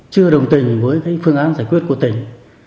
chưa đồng tình với phương án giải quyết của tỉnh